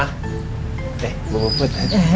eh bu puput